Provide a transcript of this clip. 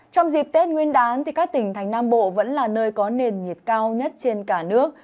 trong dịp tết nguyên đán các tỉnh thành nam bộ vẫn là nơi có nền nhiệt cao nhất trên cả nước